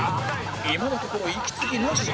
今のところ息継ぎなし